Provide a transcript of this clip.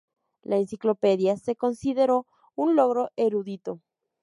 La enciclopedia se consideró un logro erudito.